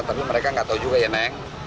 tapi mereka nggak tahu juga ya neng